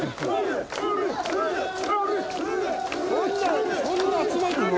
そんなそんな集まるの？